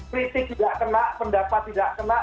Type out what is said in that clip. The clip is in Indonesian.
kritik juga kena pendapat tidak kena